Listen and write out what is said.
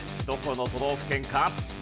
どこの都道府県か？